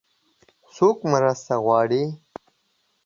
څوک مرسته غواړي؟